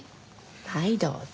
はいどうぞ。